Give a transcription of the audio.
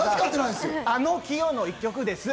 あの「キヨの一曲」です。